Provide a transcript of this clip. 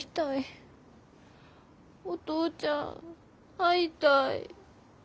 お父ちゃん会いたい。